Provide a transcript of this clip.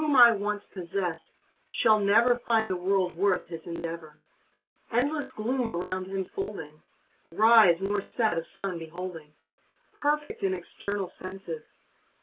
Whom I once possess, shall never Find the world worth his endeavor : Endless gloom around him folding, Rise nor set of sun beholding. Perfect in external senses.